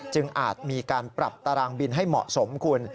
อาจมีการปรับตารางบินให้เหมาะสมคุณ